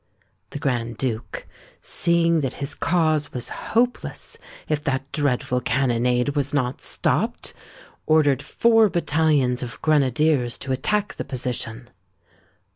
The Grand Duke, seeing that his cause was hopeless if that dreadful cannonade was not stopped, ordered four battalions of grenadiers to attack the position.